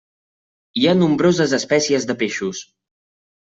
Hi ha nombroses espècies de peixos.